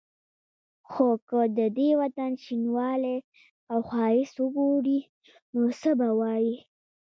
خو که د دې وطن شینوالی او ښایست وګوري نو څه به وايي.